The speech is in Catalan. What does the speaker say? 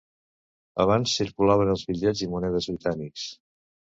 Abans circulaven els bitllets i monedes britànics.